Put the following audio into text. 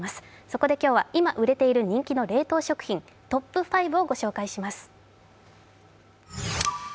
そこで今日は今売れている人気の冷凍食品トップ５を御紹介します。